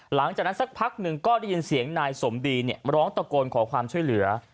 หลังจากนั้นสักพักหนึ่งก็ได้ยินเสียงนายสมดีร้องตะโกนขอความช่วยเหลือ